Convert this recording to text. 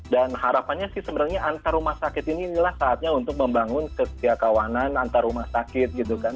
dan harapannya sih sebenarnya antar rumah sakit ini inilah saatnya untuk membangun kesetiakawanan antar rumah sakit gitu kan